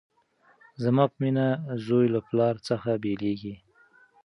زما په مینه زوی له پلار څخه بیلیږي